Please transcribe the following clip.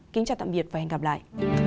kính chào tạm biệt và hẹn gặp lại